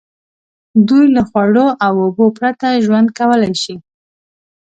دوی له خوړو او اوبو پرته ژوند کولای شي.